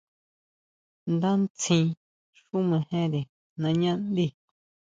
Ndá ntsín xú mejere nañá ndí.